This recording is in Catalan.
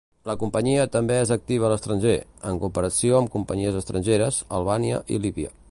La companyia també és activa a l'estranger, en cooperació amb companyies estrangeres, Albània i Líbia.